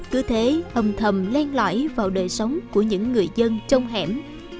cứ thế hầm thầm len loại vào đời sống của những người dân trong hẻm